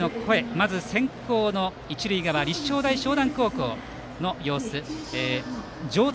まず先攻の一塁側立正大淞南高校の様子条谷